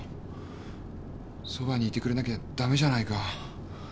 そばにいてくれなきゃダメじゃないか。